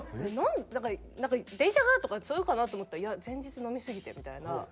なんか「電車が」とかそう言うかなと思ったら「いや前日飲みすぎて」みたいな。